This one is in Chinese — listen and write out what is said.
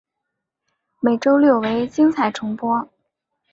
每周六为精彩重播。